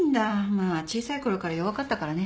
まあ小さい頃から弱かったからね。